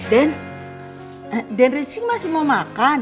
dan dan rizky masih mau makan